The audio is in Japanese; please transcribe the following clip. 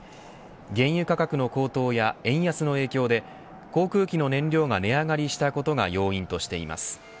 原油価格の高騰や円安の影響で航空機の燃料が値上がりしたことが要因としています。